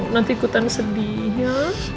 nanti ikutan sedih ya